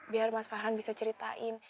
biar mas farhan bisa ceritain